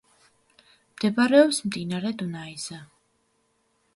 მდებარეობს მდინარე დუნაიზე.